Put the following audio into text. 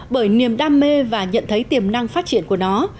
bởi niềm đam mê và nhận thấy tiềm năng phát triển của nó